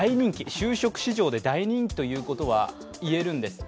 就職市場で大人気ということはいえるんです。